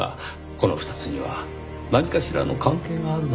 この２つには何かしらの関係があるのではないかと。